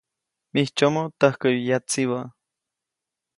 Mijtsyomoʼ täjkäyu yatsibä.